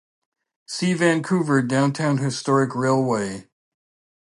See Vancouver Downtown Historic Railway.